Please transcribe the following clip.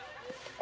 あ！